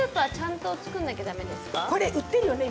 これ売ってるよね